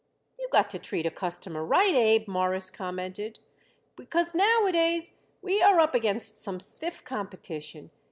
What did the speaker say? "You got to treat a customer right, Abe," Morris commented, "because nowadays we are up against some stiff competition.